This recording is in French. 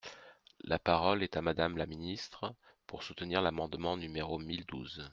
La parole est à Madame la ministre, pour soutenir l’amendement numéro mille douze.